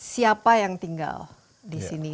siapa yang tinggal di sini